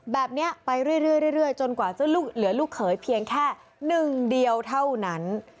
แบบนี้ไปเรื่อยจนกว่าจะเหลือลูกเขยเพียงแค่หนึ่งเดียวเท่านั้น